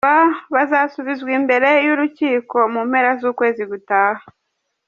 Bazasubizwa imbere y’urukiko mu mpera z’ukwezi gutaha.